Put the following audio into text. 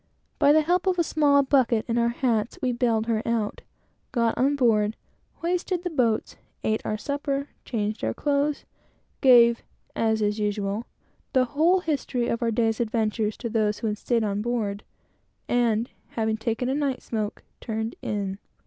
By the help of a small bucket and our hats, we bailed her out, got on board, hoisted the boats, eat our supper, changed our clothes, gave (as is usual) the whole history of our day's adventures to those who had staid on board, and having taken a night smoke, turned in.